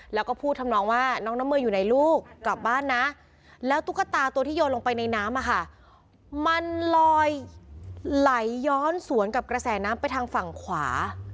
แล้วก็พูดทำนองว่าน้องน้ำมืออยู่ไหนลูกกลับบ้านนะแล้วตุ๊กตาตัวที่โยนลงไปในน้ำมันลอยไหลย้อนสวนกับกระแสน้ำไปทางฝั่งขวา